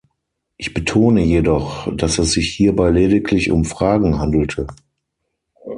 Ich betone jedoch, dass es sich hierbei lediglich um Fragen handelte.